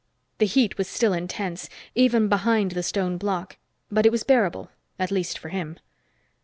The heat was still intense, even behind the stone block, but it was bearable at least for him.